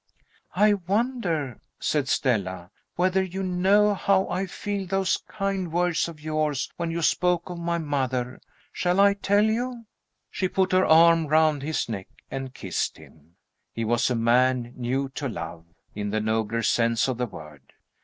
"I wonder," said Stella, "whether you know how I feel those kind words of yours when you spoke of my mother. Shall I tell you?" She put her arm round his neck and kissed him. He was a man new to love, in the nobler sense of the word.